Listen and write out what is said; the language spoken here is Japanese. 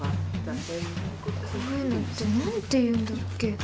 こういうのって何て言うんだっけ？